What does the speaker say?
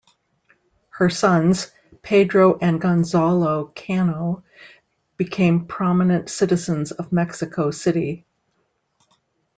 Her sons, Pedro and Gonzalo Cano, became prominent citizens of Mexico City.